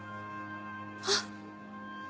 あっ。